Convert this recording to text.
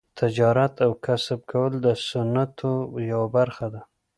تجارت او کسب کول د سنتو یوه برخه ده.